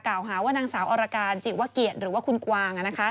กล่าวหาว่านางสาวอรการจิวเกียจหรือว่าคุณกวาง